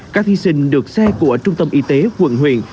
các thí sinh được xe của trung tâm y tế quận huyện